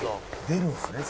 「出るんですね